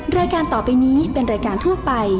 รายการต่อไปนี้เป็นรายการทั่วไป